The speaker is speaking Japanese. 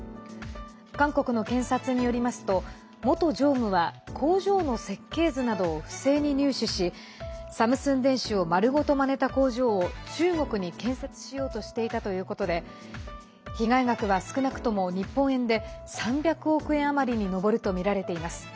韓国の検察によりますと元常務は工場の設計図などを不正に入手しサムスン電子を丸ごとまねた工場を中国に建設しようとしていたということで被害額は少なくとも日本円で３００億円余りに上るとみられています。